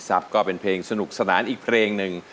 ก็เป็นเพลงสนุกสนานอีกเพลงหนึ่ง